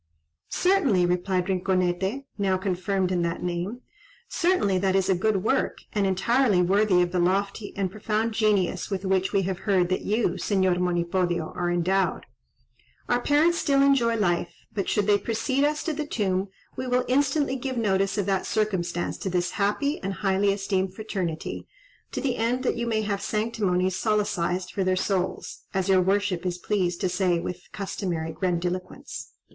"Certainly," replied Rinconete (now confirmed in that name), "certainly that is a good work, and entirely worthy of the lofty and profound genius with which we have heard that you, Señor Monipodio, are endowed. Our parents still enjoy life; but should they precede us to the tomb, we will instantly give notice of that circumstance to this happy and highly esteemed fraternity, to the end that you may have 'sanctimonies solecised' for their souls, as your worship is pleased to say, with the customary 'grandiloquence.'"